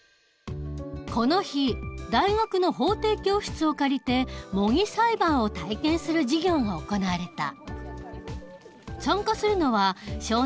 この日大学の法廷教室を借りて模擬裁判を体験する授業が行われた。